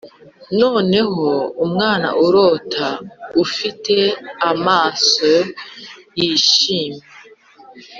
noneho umwana urota, ufite amaso yishimye